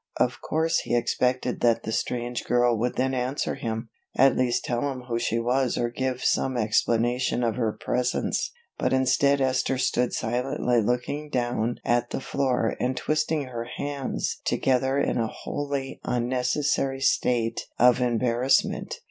Of course he expected that the strange girl would then answer him, at least tell him who she was or give some explanation of her presence, but instead Esther stood silently looking down at the floor and twisting her hands together in a wholly unnecessary state of embarrassment.